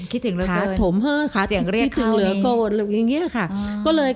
คิดถึงเหลือเกินคาถมเถอะค่ะเสียงเรียกเขาเอง